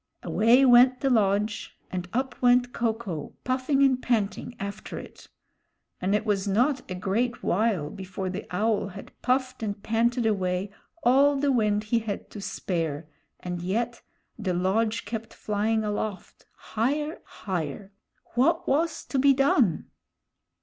Away went the lodge, and up went Ko ko, puffing and panting, after it. And it was not a great while before the Owl had puffed and panted away all the wind he had to spare; and yet the lodge kept flying aloft, higher, higher. What was to be done!